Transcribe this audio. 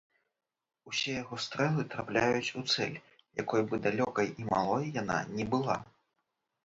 Усе яго стрэлы трапляюць у цэль, якой бы далёкай і малой яна ні была.